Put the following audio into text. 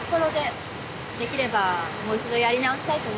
出来ればもう一度やり直したいと思ってます。